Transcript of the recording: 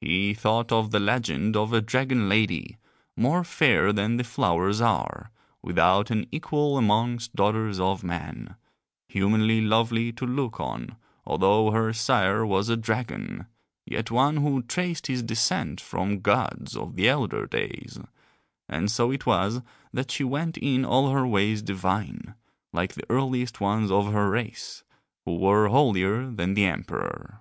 He thought of the legend of a dragon lady, more fair than the flowers are, without an equal amongst daughters of men, humanly lovely to look on although her sire was a dragon, yet one who traced his descent from gods of the elder days, and so it was that she went in all her ways divine, like the earliest ones of her race, who were holier than the emperor.